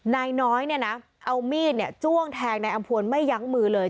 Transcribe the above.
นายน้อยเนี่ยนะเอามีดจ้วงแทงนายอำพวนไม่ยั้งมือเลย